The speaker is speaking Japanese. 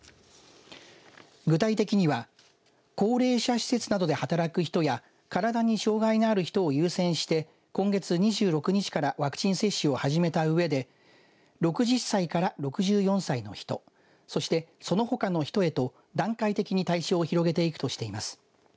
具体的には高齢者施設などで働く人や体に障害のある人を優先して今月２６日からワクチン接種を始めたうえで６０歳から６４歳の人そしてそのほかの人へと段階的に対象を広げていくとしています。